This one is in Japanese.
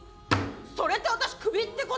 それって私クビってこと？